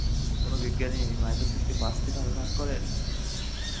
কোন বিজ্ঞানী মাইটোসিসকে পাঁচটি ধাপে ভাগ করেন?